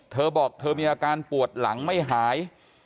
เธอบอกเธอมีอาการปวดหลังไม่หาย